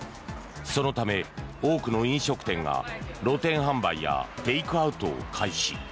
そのため、多くの飲食店が露店販売やテイクアウトを開始。